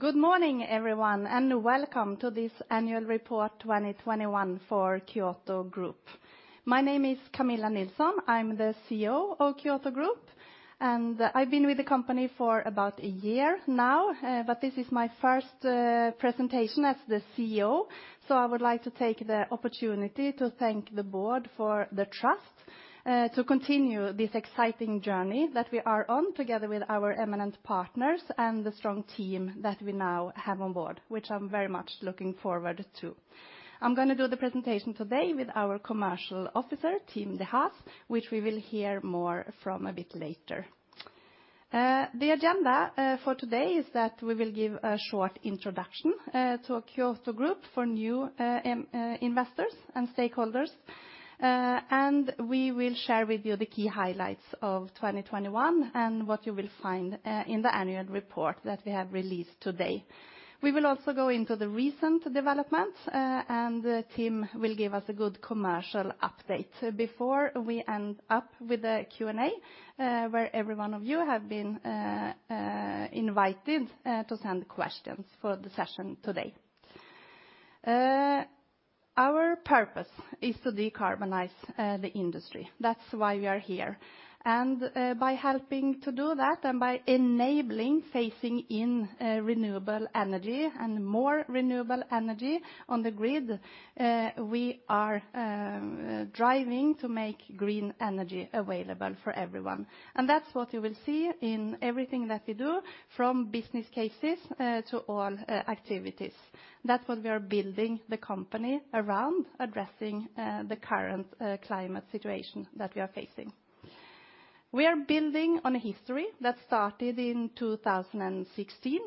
Good morning, everyone, and welcome to this annual report 2021 for Kyoto Group. My name is Camilla Nilsson. I'm the CEO of Kyoto Group, and I've been with the company for about a year now, but this is my first presentation as the CEO. I would like to take the opportunity to thank the board for the trust to continue this exciting journey that we are on together with our eminent partners and the strong team that we now have on board, which I'm very much looking forward to. I'm gonna do the presentation today with our commercial officer, Tim de Haas, which we will hear more from a bit later. The agenda for today is that we will give a short introduction to Kyoto Group for new investors and stakeholders. We will share with you the key highlights of 2021 and what you will find in the annual report that we have released today. We will also go into the recent developments and Tim will give us a good commercial update before we end up with a Q&A, where every one of you have been invited to send questions for the session today. Our purpose is to decarbonize the industry. That's why we are here. By helping to do that and by enabling phasing in renewable energy, and more renewable energy on the grid, we are driving to make green energy available for everyone. That's what you will see in everything that we do from business cases to all activities. That's what we are building the company around addressing the current climate situation that we are facing. We are building on a history that started in 2016,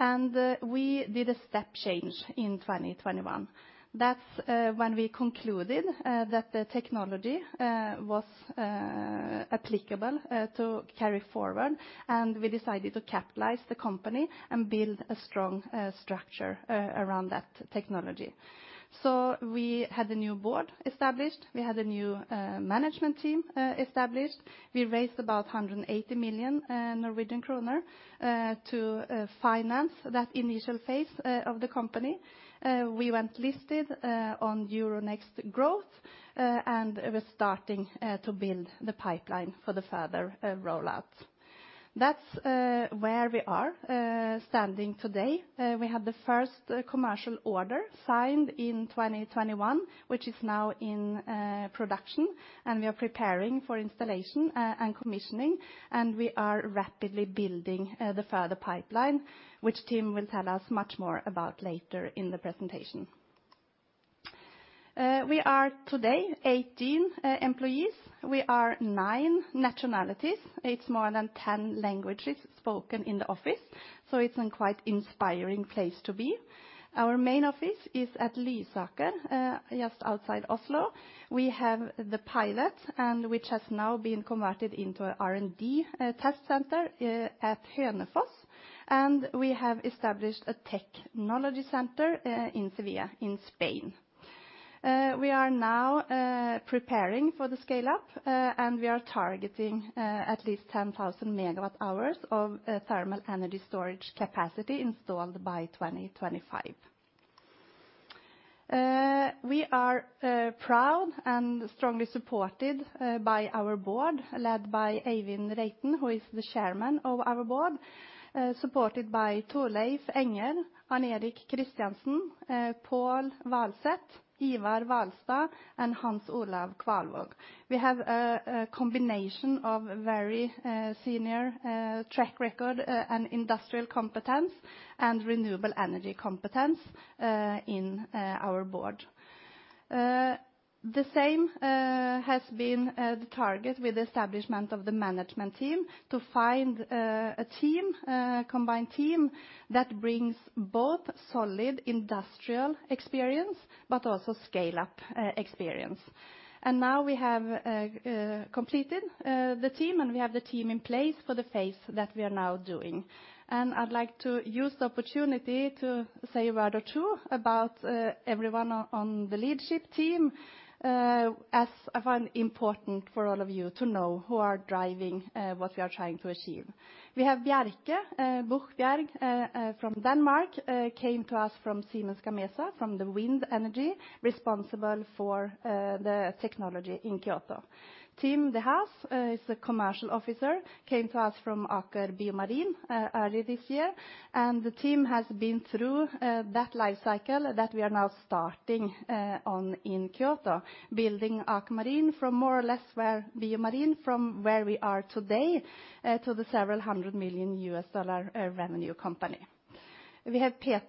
and we did a step change in 2021. That's when we concluded that the technology was applicable to carry forward, and we decided to capitalize the company and build a strong structure around that technology. We had a new board established. We had a new management team established. We raised about 180 million Norwegian kroner to finance that initial phase of the company. We went listed on Euronext Growth, and we're starting to build the pipeline for the further roll-out. That's where we are standing today. We had the first commercial order signed in 2021, which is now in production, and we are preparing for installation and commissioning, and we are rapidly building the further pipeline, which Tim will tell us much more about later in the presentation. We are today 18 employees. We are nine nationalities. It's more than 10 languages spoken in the office, so it's a quite inspiring place to be. Our main office is at Lysaker just outside Oslo. We have the pilot, which has now been converted into R&D test center at Hønefoss, and we have established a technology center in Sevilla, in Spain. We are now preparing for the scale-up, and we are targeting at least 10,000 MWh of thermal energy storage capacity installed by 2025. We are proud and strongly supported by our Board, led by Eivind Reiten, who is the Chairman of our Board, supported by Thorleif Enger, Arne-Erik Christiansen, Pål Selboe Walseth, Ivar Valstad, and Hans Olav Kvalvaag. We have a combination of very senior track record and industrial competence and renewable energy competence in our Board. The same has been the target with establishment of the management team to find a combined team that brings both solid industrial experience but also scale-up experience. Now we have completed the team, and we have the team in place for the phase that we are now doing. I'd like to use the opportunity to say a word or two about everyone on the leadership team as I find important for all of you to know who are driving what we are trying to achieve. We have Bjarke Buchbjerg from Denmark, came to us from Siemens Gamesa, from the wind energy, responsible for the technology in Kyoto. Tim de Haas is the Commercial Officer, came to us from Aker BioMarine earlier this year. The team has been through that life cycle that we are now starting on in Kyoto, building Aker BioMarine from more or less where we are today to the $ several hundred million revenue company. We have Peter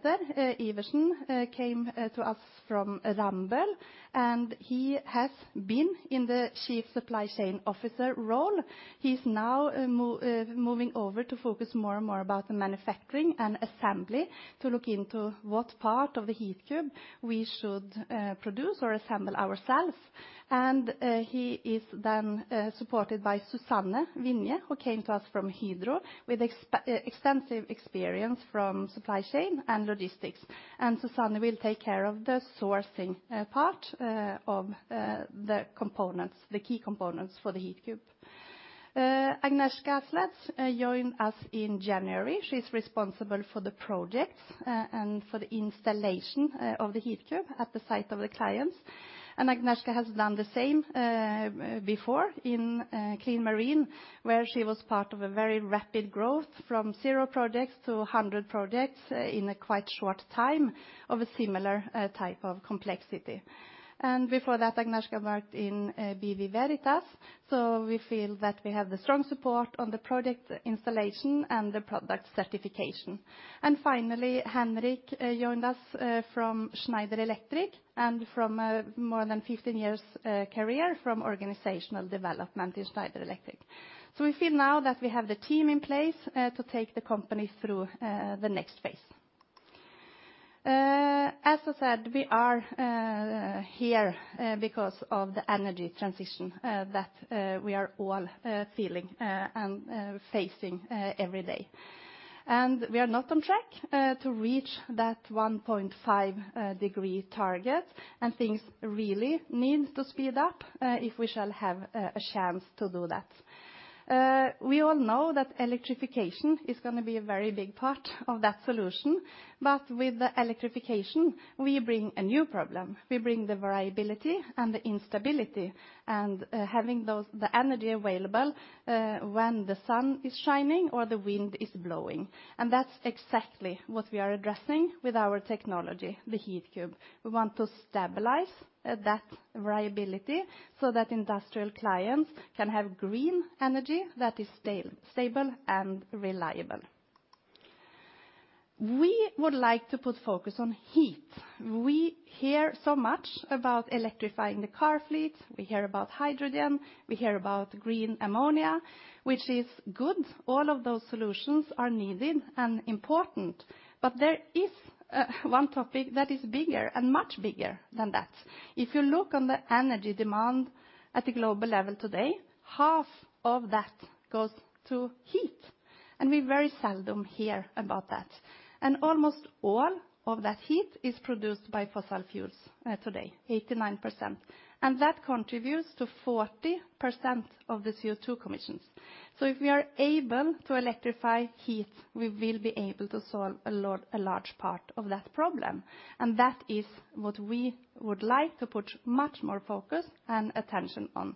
Iversen, came to us from Ramboll, and he has been in the Chief Supply Chain Officer role. He's now moving over to focus more and more about the manufacturing and assembly to look into what part of the Heatcube we should produce or assemble ourselves. He is then supported by Susanne Vinje, who came to us from Hydro with extensive experience from supply chain and logistics. Susanne will take care of the sourcing part of the components, the key components for the Heatcube. Agnieszka Sledz joined us in January. She's responsible for the projects, and for the installation of the Heatcube at the site of the clients. Agnieszka has done the same before in Clean Marine, where she was part of a very rapid growth from zero projects to 100 projects in a quite short time of a similar type of complexity. Before that, Agnieszka worked in Bureau Veritas, so we feel that we have the strong support on the project installation, and the product certification. Finally, Henrik joined us from Schneider Electric and from more than 15 years career from organizational development in Schneider Electric. So we feel now that we have the team in place to take the company through the next phase. As I said, we are here because of the energy transition that we are all feeling and facing every day. We are not on track to reach that 1.5-degree target, and things really need to speed up if we shall have a chance to do that. We all know that electrification is gonna be a very big part of that solution. With the electrification, we bring a new problem. We bring the variability and the instability, and having the energy available when the sun is shining or the wind is blowing. That's exactly what we are addressing with our technology, the Heatcube. We want to stabilize that variability so that industrial clients can have green energy that is stable, and reliable. We would like to put focus on heat. We hear so much about electrifying the car fleet, we hear about hydrogen, we hear about green ammonia, which is good. All of those solutions are needed and important, but there is one topic that is bigger and much bigger than that. If you look on the energy demand at a global level today, half of that goes to heat, and we very seldom hear about that. Almost all of that heat is produced by fossil fuels today, 89%, and that contributes to 40% of the CO2 emissions. If we are able to electrify heat, we will be able to solve a large part of that problem, and that is what we would like to put much more focus, and attention on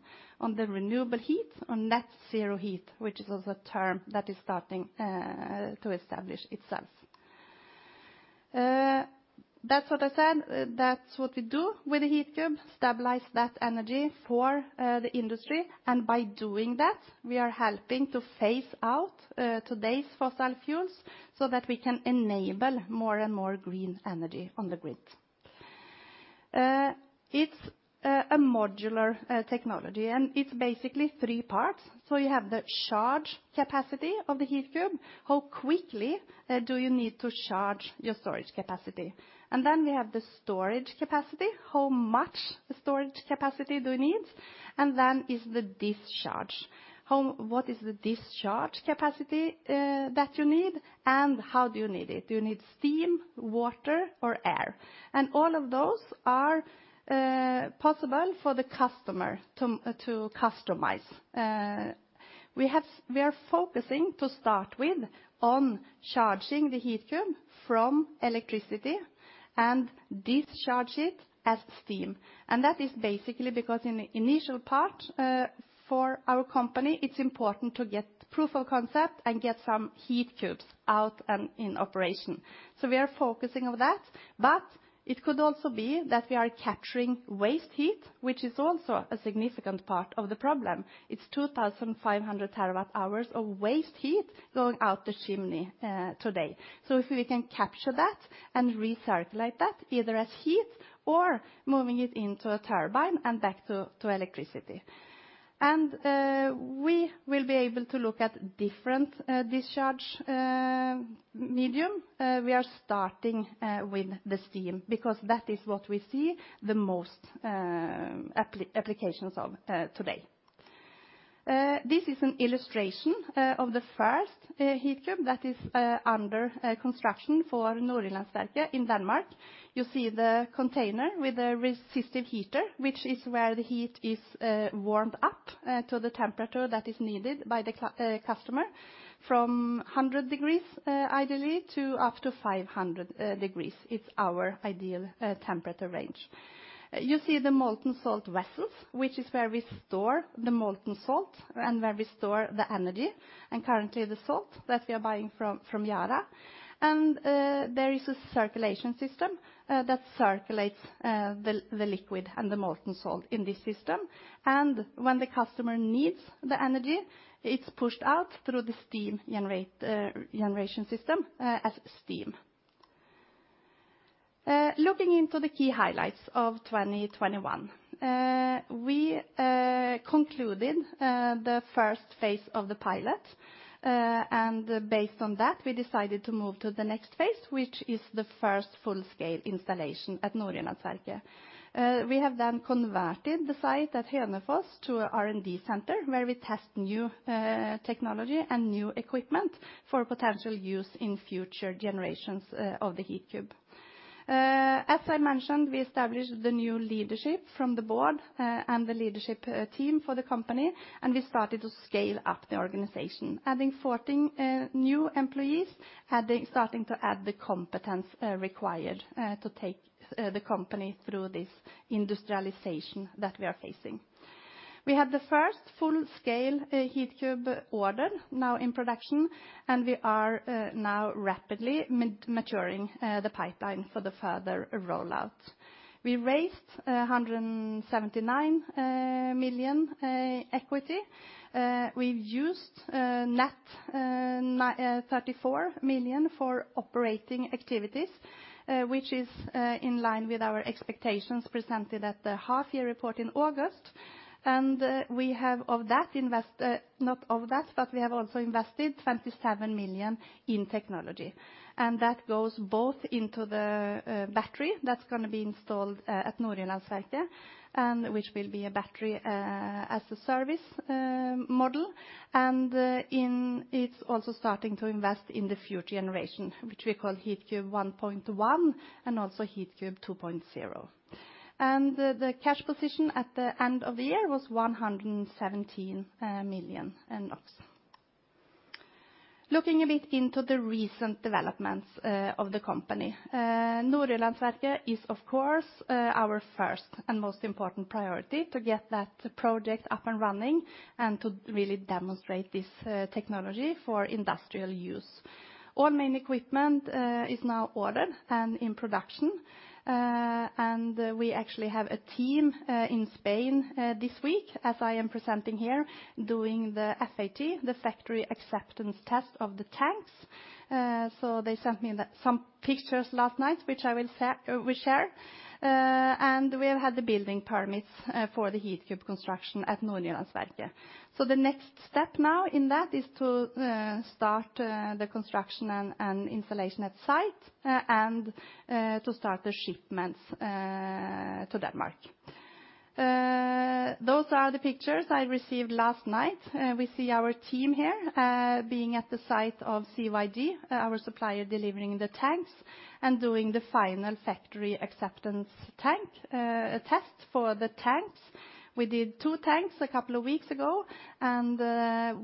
the renewable heat, on net zero heat, which is also a term that is starting to establish itself. That's what I said, that's what we do with the Heatcube, stabilize that energy for the industry. By doing that, we are helping to phase out today's fossil fuels so that we can enable more, and more green energy on the grid. It's a modular technology, and it's basically three parts. You have the charge capacity of the Heatcube, how quickly do you need to charge your storage capacity? We have the storage capacity, how much storage capacity do you need? Then is the discharge. What is the discharge capacity that you need, and how do you need it? Do you need steam, water, or air? All of those are possible for the customer to customize. We are focusing to start with on charging the Heatcube from electricity and discharge it as steam. That is basically because in the initial part for our company, it's important to get proof of concept, and get some Heatcubes out and in operation. We are focusing on that. It could also be that we are capturing waste heat, which is also a significant part of the problem. It's 2,500 terawatt-hours of waste heat going out the chimney today. If we can capture that and recirculate that either as heat or moving it into a turbine and back to electricity. We will be able to look at different discharge medium. We are starting with the steam because that is what we see the most applications of today. This is an illustration of the first Heatcube that is under construction for Nordjyllandsværket in Denmark. You see the container with a resistive heater, which is where the heat is warmed up to the temperature that is needed by the customer from 100 degrees, ideally, to up to 500 degrees. It's our ideal temperature range. You see the molten salt vessels, which is where we store the molten salt and where we store the energy, and currently the salt that we are buying from Yara. There is a circulation system that circulates the liquid and the molten salt in this system. When the customer needs the energy, it's pushed out through the steam generation system as steam. Looking into the key highlights of 2021, we concluded the first phase of the pilot, and based on that, we decided to move to the next phase, which is the first full-scale installation at Nordjyllandsværket. We have then converted the site at Hønefoss to a R&D center, where we test new technology and new equipment for potential use in future generations of the Heatcube. As I mentioned, we established the new leadership from the board and the leadership team for the company, and we started to scale up the organization, adding 14 new employees, starting to add the competence required to take the company through this industrialization that we are facing. We have the first full-scale Heatcube order now in production, and we are now rapidly maturing the pipeline for the further rollout. We raised 179 million equity. We've used net 34 million for operating activities, which is in line with our expectations presented at the half-year report in August. We have not of that, but we have also invested 27 million in technology, and that goes both into the battery that's gonna be installed at Nordjyllandsværket, and which will be a battery as a service model. It's also starting to invest in the future generation, which we call Heatcube 1.1 and also Heatcube 2.0. The cash position at the end of the year was 117 million NOK. Looking a bit into the recent developments of the company. Nordjyllandsværket is, of course, our first and most important priority to get that project up, and running and to really demonstrate this technology for industrial use. All main equipment is now ordered and in production. And we actually have a team in Spain this week, as I am presenting here, doing the FAT, the factory acceptance test of the tanks. So they sent me some pictures last night, which I will share. And we have had the building permits for the Heatcube construction at Nordjyllandsværket. The next step now in that is to start the construction, and installation at site and to start the shipments to Denmark. Those are the pictures I received last night. We see our team here being at the site of CyD, our supplier delivering the tanks and doing the final factory acceptance test for the tanks. We did two tanks a couple of weeks ago, and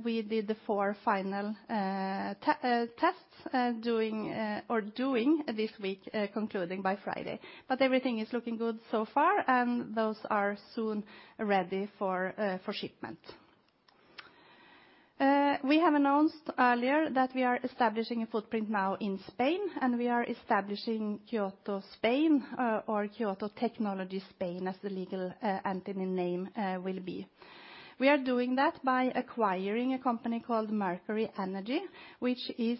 we did the four final tests doing this week, concluding by Friday. Everything is looking good so far, and those are soon ready for shipment. We have announced earlier that we are establishing a footprint now in Spain, and we are establishing Kyoto Spain or Kyoto Technology Spain, as the legal entity name will be. We are doing that by acquiring a company called Mercury Energy, which is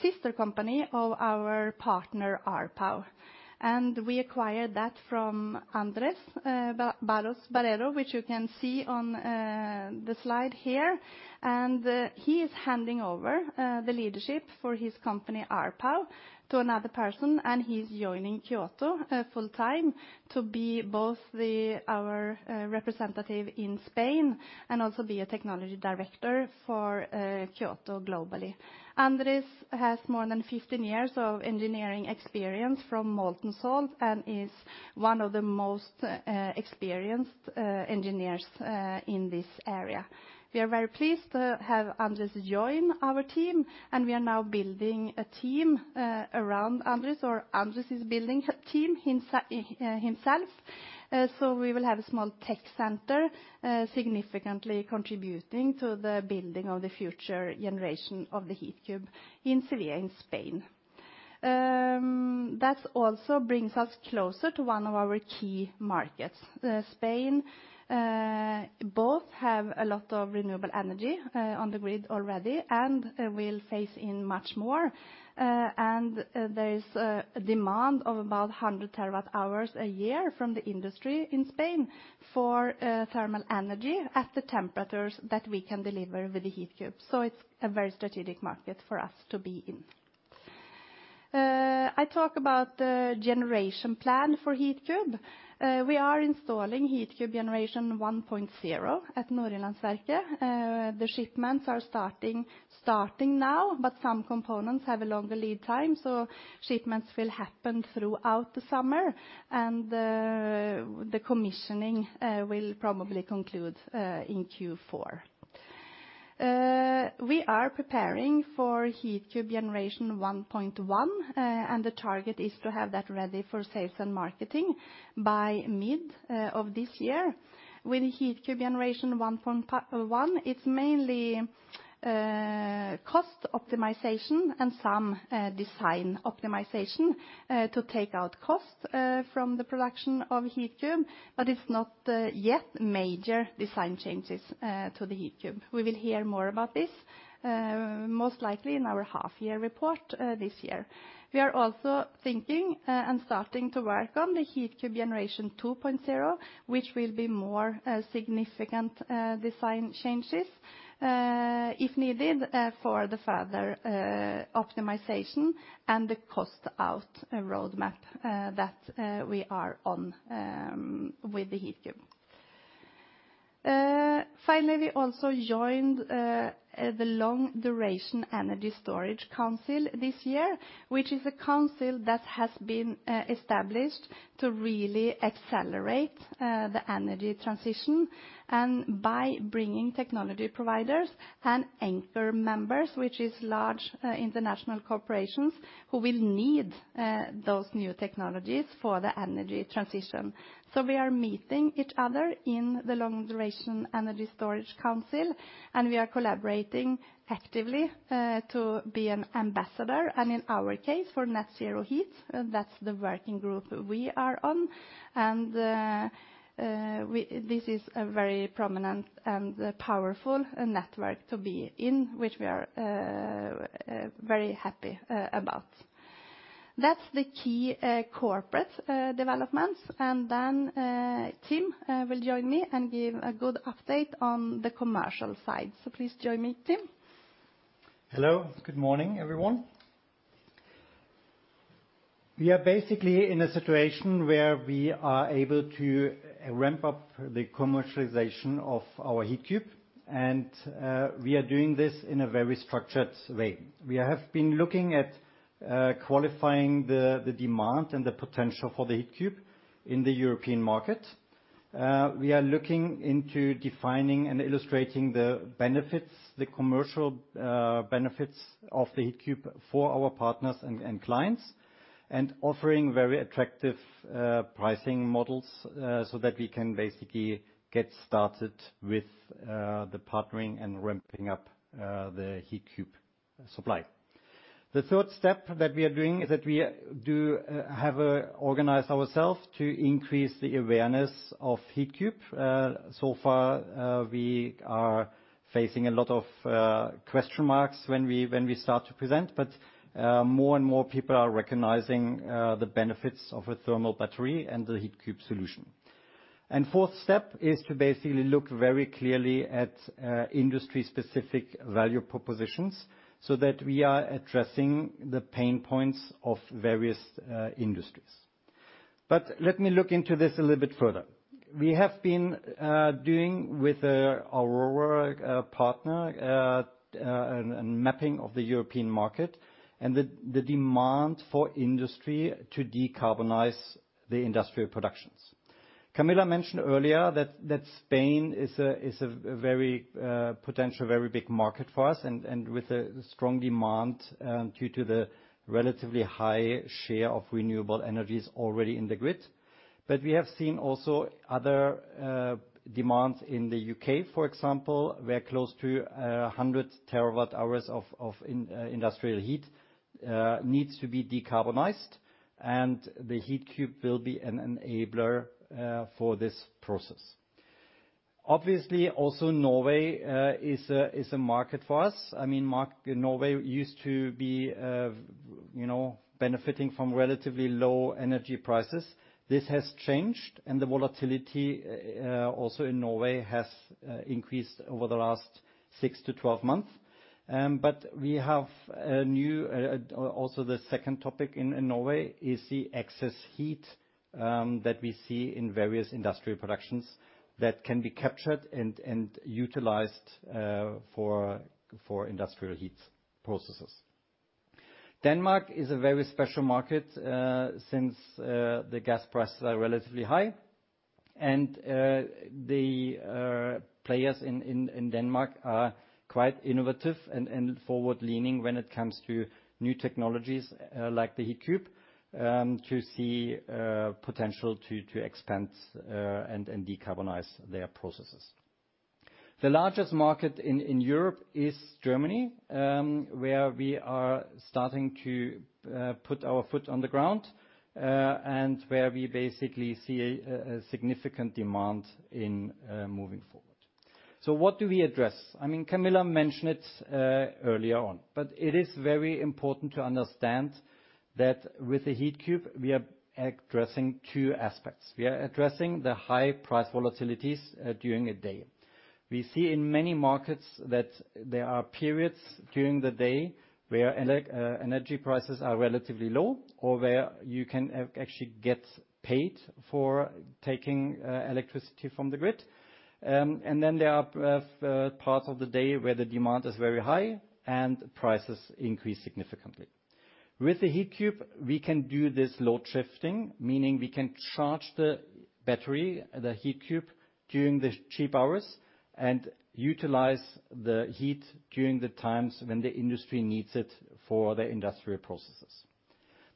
sister company of our partner, RPow. We acquired that from AndrésBarros Borrero, which you can see on the slide here. He is handing over the leadership for his company, RPow, to another person, and he's joining Kyoto full-time to be both our representative in Spain and also be a technology director for Kyoto globally. Andres has more than 15 years of engineering experience from molten salt, and is one of the most experienced engineers in this area. We are very pleased to have Andres join our team, and we are now building a team around Andres, or Andres is building a team himself. We will have a small tech center, significantly contributing to the building of the future generation of the Heatcube in Sevilla, in Spain. That also brings us closer to one of our key markets. Spain both have a lot of renewable energy on the grid already and will phase in much more. There is a demand of about 100 terawatt-hours a year from the industry in Spain for thermal energy at the temperatures that we can deliver with the Heatcube. It's a very strategic market for us to be in. I talk about the generation plan for Heatcube. We are installing Heatcube generation 1.0 at Nordjyllandsværket. The shipments are starting now, but some components have a longer lead time, so shipments will happen throughout the summer and the commissioning will probably conclude in Q4. We are preparing for Heatcube generation 1.1 and the target is to have that ready for sales and marketing by mid of this year. With Heatcube generation 1.1, it's mainly cost optimization and some design optimization to take out cost from the production of Heatcube, but it's not yet major design changes to the Heatcube. We will hear more about this most likely in our half-year report this year. We are also thinking and starting to work on the Heatcube 2.0, which will be more significant design changes, if needed, for the further optimization and the cost out roadmap that we are on with the Heatcube. Finally, we also joined the Long Duration Energy Storage Council this year, which is a council that has been established to really accelerate the energy transition, and by bringing technology providers and anchor members, which is large international corporations who will need those new technologies for the energy transition. We are meeting each other in the Long Duration Energy Storage Council, and we are collaborating actively to be an ambassador, and in our case, for net zero heat. That's the working group we are on. This is a very prominent and powerful network to be in, which we are very happy about. That's the key corporate developments. Tim will join me and give a good update on the commercial side. Please join me, Tim. Hello. Good morning, everyone. We are basically in a situation where we are able to ramp up the commercialization of our Heatcube, and we are doing this in a very structured way. We have been looking at qualifying the demand and the potential for the Heatcube in the European market. We are looking into defining and illustrating the benefits, the commercial benefits of the Heatcube for our partners and clients, and offering very attractive pricing models so that we can basically get started with the partnering and ramping up the Heatcube supply. The third step that we are doing is that we have organized ourselves to increase the awareness of Heatcube. So far, we are facing a lot of question marks when we start to present, but more and more people are recognizing the benefits of a thermal battery and the Heatcube solution. Fourth step is to basically look very clearly at industry-specific value propositions so that we are addressing the pain points of various industries. Let me look into this a little bit further. We have been doing work with our partner and mapping of the European market and the demand for industry to decarbonize the industrial productions. Camilla mentioned earlier that Spain is a very potentially very big market for us and with a strong demand due to the relatively high share of renewable energies already in the grid. We have seen also other demands in the U.K., for example, where close to 100 terawatt-hours of industrial heat needs to be decarbonized, and the Heatcube will be an enabler for this process. Obviously, also Norway is a market for us. I mean, Norway used to be, you know, benefiting from relatively low energy prices. This has changed, and the volatility also in Norway has increased over the last six to 12 months. We have a new also the second topic in Norway is the excess heat that we see in various industrial productions that can be captured and utilized for industrial heat processes. Denmark is a very special market, since the gas prices are relatively high and the players in Denmark are quite innovative and forward-leaning when it comes to new technologies, like the Heatcube, to see potential to expand, and decarbonize their processes. The largest market in Europe is Germany, where we are starting to put our foot on the ground and where we basically see a significant demand in moving forward. What do we address? I mean, Camilla mentioned it earlier on, but it is very important to understand that with the Heatcube, we are addressing two aspects. We are addressing the high price volatilities during a day. We see in many markets that there are periods during the day where energy prices are relatively low or where you can actually get paid for taking electricity from the grid. There are parts of the day where the demand is very high and prices increase significantly. With the Heatcube, we can do this load shifting, meaning we can charge the battery, the Heatcube, during the cheap hours and utilize the heat during the times when the industry needs it for the industrial processes.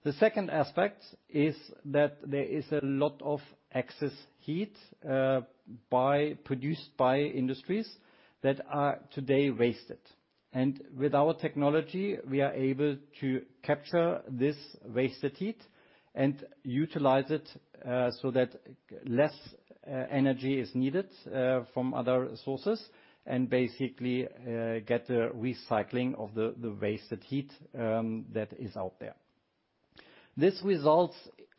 The second aspect is that there is a lot of excess heat produced by industries that are today wasted. With our technology, we are able to capture this wasted heat and utilize it, so that less energy is needed from other sources and basically get a recycling of the wasted heat that is out there. This results,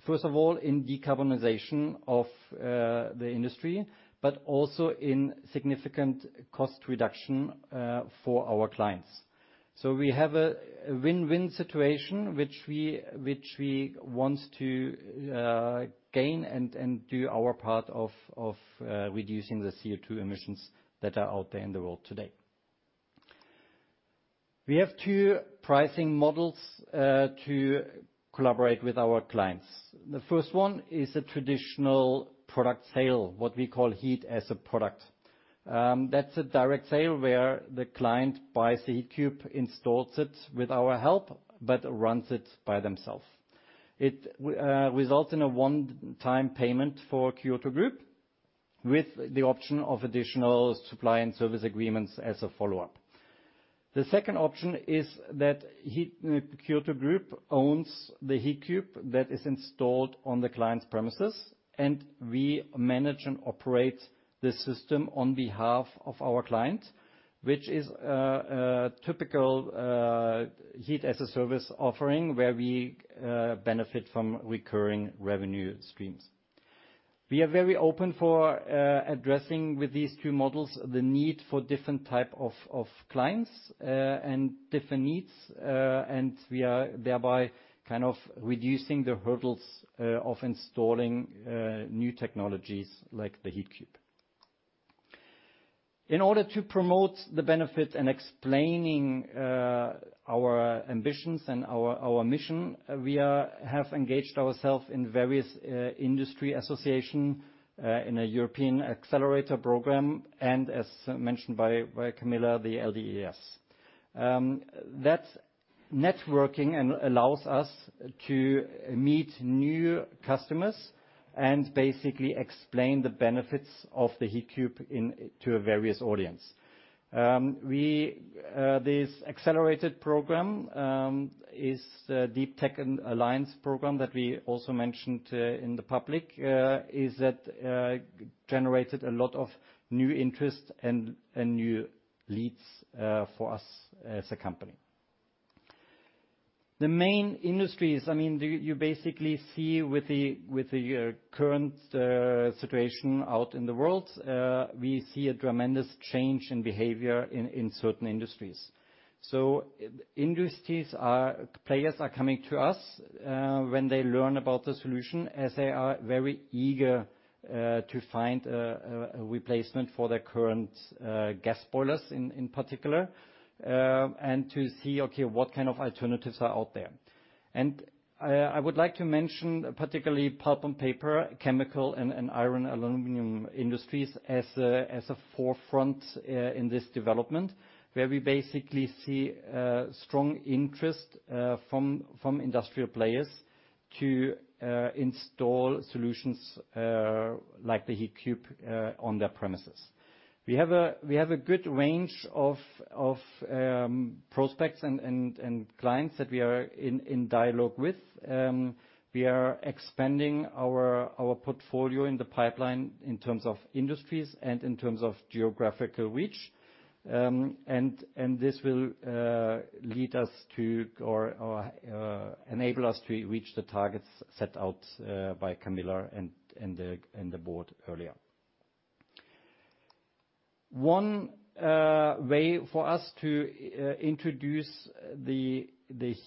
first of all, in decarbonization of the industry, but also in significant cost reduction for our clients. We have a win-win situation, which we want to gain and do our part of reducing the CO2 emissions that are out there in the world today. We have two pricing models to collaborate with our clients. The first one is a traditional product sale, what we call Heat as a Product. That's a direct sale where the client buys the Heatcube, installs it with our help, but runs it by themselves. It results in a one-time payment for Kyoto Group, with the option of additional supply, and service agreements as a follow-up. The second option is that Kyoto Group owns the Heatcube that is installed on the client's premises, and we manage and operate the system on behalf of our client, which is a typical Heat-as-a-Service offering where we benefit from recurring revenue streams. We are very open for addressing with these two models the need for different type of clients and different needs. We are thereby kind of reducing the hurdles of installing new technologies like the Heatcube. In order to promote the benefit and explaining our ambitions and our mission, we are... have engaged ourselves in various industry associations in a European accelerator program, and as mentioned by Camilla, the LDES. That networking that allows us to meet new customers, and basically explain the benefits of the Heatcube to various audiences. This accelerator program is DeepTech Alliance program that we also mentioned in the public that generated a lot of new interest and new leads for us as a company. The main industries, I mean, you basically see with the current situation out in the world, we see a tremendous change in behavior in certain industries. Industry players are coming to us when they learn about the solution, as they are very eager to find a replacement for their current gas boilers in particular and to see okay what kind of alternatives are out there. I would like to mention particularly pulp and paper, chemical, and iron and aluminum industries as a forefront in this development, where we basically see strong interest from industrial players to install solutions like the Heatcube on their premises. We have a good range of prospects and clients that we are in dialogue with. We are expanding our portfolio in the pipeline in terms of industries and in terms of geographical reach. This will enable us to reach the targets set out by Camilla and the board earlier. One way for us to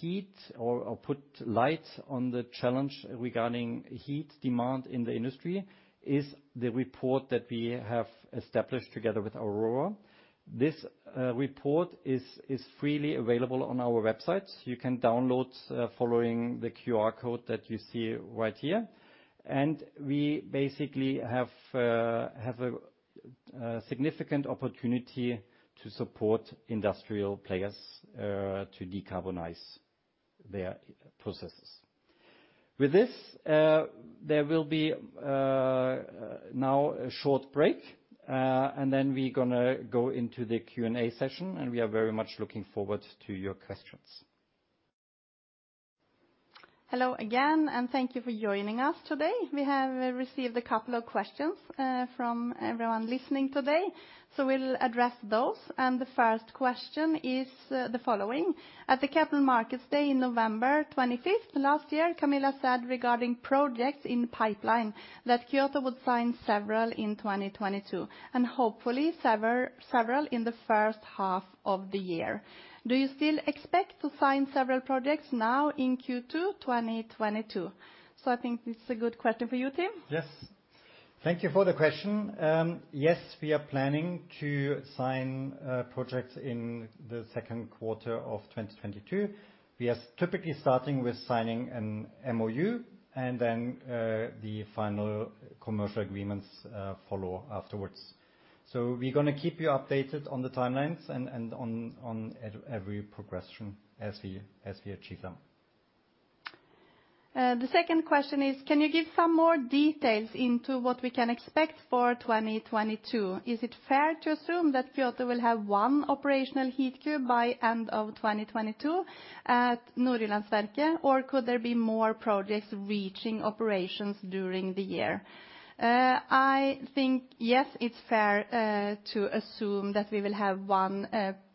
shed light on the challenge regarding heat demand in the industry is the report that we have established together with Aurora. This report is freely available on our website. You can download it following the QR code that you see right here. We basically have a significant opportunity to support industrial players to decarbonize their processes. With this, there will now be a short break, and then we're gonna go into the Q&A session, and we are very much looking forward to your questions. Hello again, and thank you for joining us today. We have received a couple of questions from everyone listening today, so we'll address those. The first question is the following: At the Capital Markets Day November 25 last year, Camilla said regarding projects in the pipeline that Kyoto would sign several in 2022, and hopefully several in the first half of the year. Do you still expect to sign several projects now in Q2 2022? I think this is a good question for you, Tim. Yes. Thank you for the question. Yes, we are planning to sign projects in the second quarter of 2022. We are typically starting with signing an MOU and then the final commercial agreements follow afterwards. We're gonna keep you updated on the timelines and on every progression as we achieve them. The second question is, can you give some more details into what we can expect for 2022? Is it fair to assume that Kyoto will have one operational Heatcube by end of 2022 at Nordjyllandsværket, or could there be more projects reaching operations during the year? I think, yes, it's fair to assume that we will have one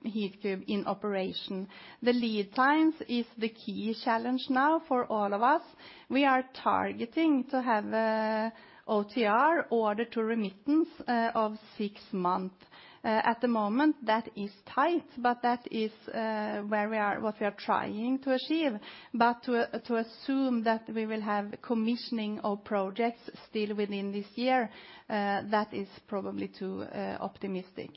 Heatcube in operation. The lead times is the key challenge now for all of us. We are targeting to have a OTR, order to remittance, of six months. At the moment, that is tight, but that is where we are, what we are trying to achieve. To assume that we will have commissioning of projects still within this year, that is probably too optimistic.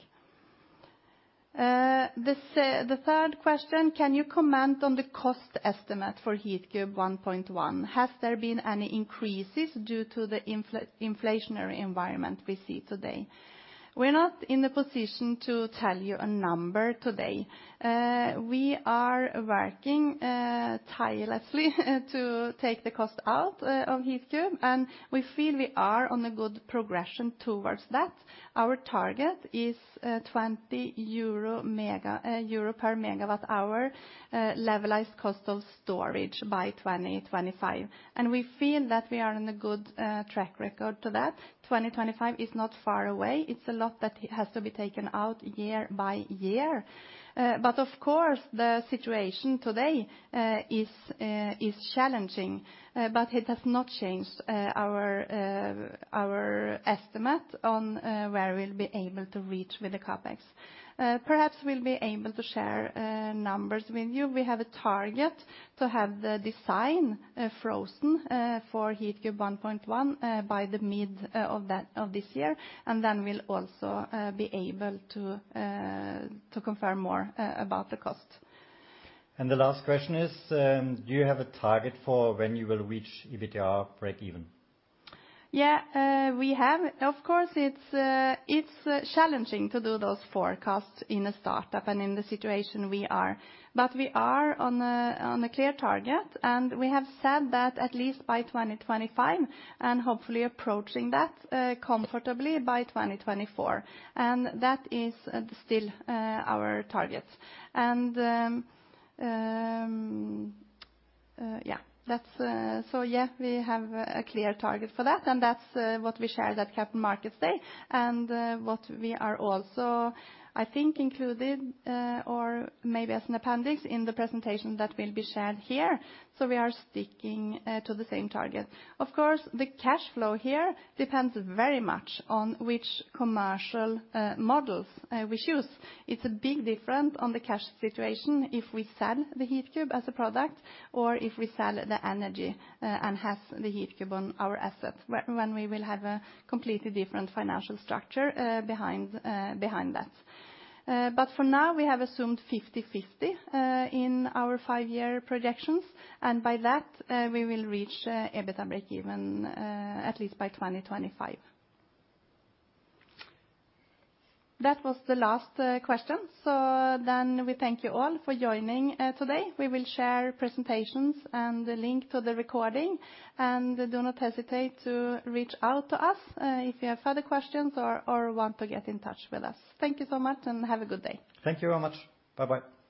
The third question, can you comment on the cost estimate for Heatcube 1.1? Has there been any increases due to the inflationary environment we see today? We're not in the position to tell you a number today. We are working tirelessly to take the cost out of Heatcube, and we feel we are on a good progression towards that. Our target is 20 euro per megawatt hour levelized cost of storage by 2025, and we feel that we are on a good track record to that. 2025 is not far away. It's a lot that has to be taken out year by year. Of course, the situation today is challenging, but it has not changed our estimate on where we'll be able to reach with the CapEx. Perhaps we'll be able to share numbers with you. We have a target to have the design frozen for Heatcube 1.1 by the mid of this year, and then we'll also be able to confirm more about the cost. The last question is, do you have a target for when you will reach EBITDA breakeven? Yeah, we have. Of course, it's challenging to do those forecasts in a startup and in the situation we are, but we are on a clear target, and we have said that at least by 2025, and hopefully approaching that comfortably by 2024. That is still our target. Yeah, that's what we shared at Capital Markets Day and what we are also, I think, included or maybe as an appendix in the presentation that will be shared here. We are sticking to the same target. Of course, the cash flow here depends very much on which commercial models we choose. It's a big difference on the cash situation if we sell the Heatcube as a product or if we sell the energy, and have the Heatcube on our assets when we will have a completely different financial structure behind that. But for now, we have assumed 50/50 in our five-year projections, and by that, we will reach EBITDA breakeven at least by 2025. That was the last question. We thank you all for joining today. We will share presentations and the link to the recording, and do not hesitate to reach out to us if you have further questions or want to get in touch with us. Thank you so much and have a good day. Thank you very much. Bye-bye.